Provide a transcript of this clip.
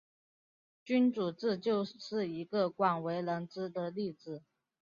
君主制就是一个广为人知的例子。